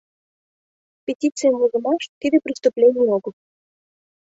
Петицийым возымаш — тиде преступлений огыл.